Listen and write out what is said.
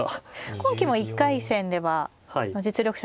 今期も１回戦では実力者